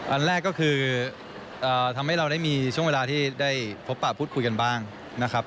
อันแรกก็คือทำให้เราได้มีช่วงเวลาที่ได้พบปะพูดคุยกันบ้างนะครับ